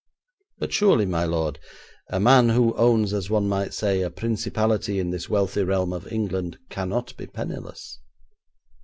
'But surely, my lord, a man who owns, as one might say, a principality in this wealthy realm of England, cannot be penniless?'